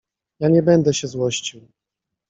— Ja nie będę się złościł.